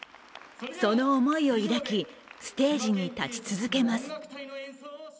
その思いを抱きステージに立ち続けます。